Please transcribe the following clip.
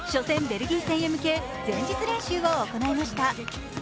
ベルギー戦へ向け前日練習を行いました。